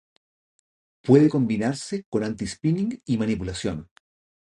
Puede combinarse con anti-spinning y manipulación.